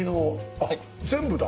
あっ全部だ。